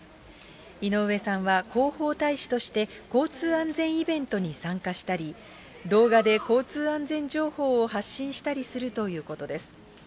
井上さんは広報大使として、交通安全イベントに参加したり、動画で交通安全情報を発信したりするということです。